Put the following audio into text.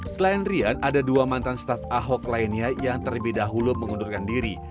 selain rian ada dua mantan staf ahok lainnya yang terlebih dahulu mengundurkan diri